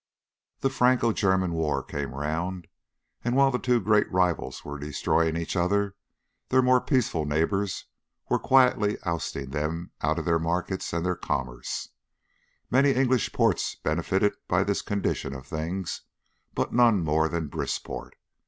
The Franco German War came round, and while the two great rivals were destroying each other, their more peaceful neighbours were quietly ousting them out of their markets and their commerce. Many English ports benefited by this condition of things, but none more than Brisport.